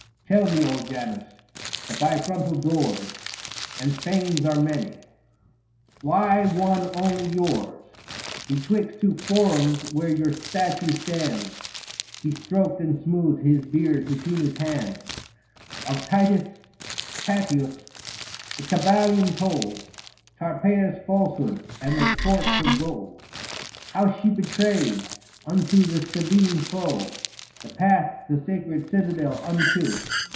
" Tell me, Janus ; the bifrontal doors And fanes are many ; why one only yours, Betwixt two Forums where your statue stands ?" He stroked and smoothed his beard between his hands ; Of Titus Tatius, the (Ebalian, told, [275 Tarpeia's falsehood and the torques of gold. How she betrayed, unto the Sabine foe, The path the sacred citadel unto.